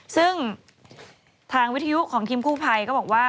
ซึ่งทางวิทยุของทีมกู้ภัยก็บอกว่า